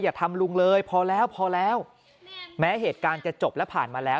อย่าทำลุงเลยพอแล้วพอแล้วแม้เหตุการณ์จะจบและผ่านมาแล้ว